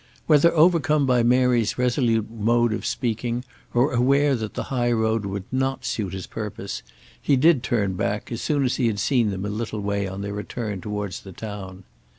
Whether overcome by Mary's resolute mode of speaking, or aware that the high road would not suit his purpose, he did turn back as soon as he had seen them a little way on their return towards the town.